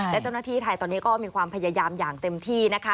และเจ้าหน้าที่ไทยตอนนี้ก็มีความพยายามอย่างเต็มที่นะคะ